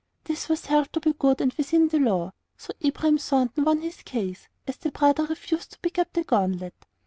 This was held to be good and within the law, so Abraham Thornton won his case, as the brother refused to pick up the gauntlet.